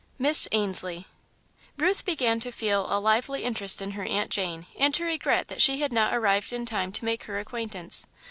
Miss Ainslie Ruth began to feel a lively interest in her Aunt Jane, and to regret that she had not arrived in time to make her acquaintance.